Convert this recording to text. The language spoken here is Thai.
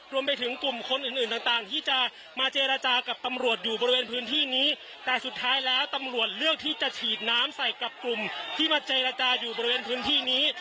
รวมไปถึงกลุ่มคนอื่นอื่นต่างต่างที่จะมาเจรจากับตำรวจอยู่บริเวณพื้นที่นี้แต่สุดท้ายแล้วตำรวจเลือกที่จะฉีดน้ำใส่กับกลุ่มที่มาเจรจาอยู่บริเวณพื้นที่นี้